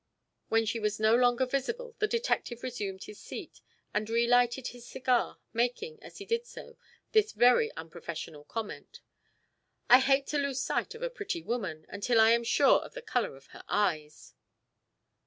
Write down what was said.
When she was no longer visible the detective resumed his seat, and relighted his cigar, making, as he did so, this very unprofessional comment "I hate to lose sight of a pretty woman, until I am sure of the colour of her eyes."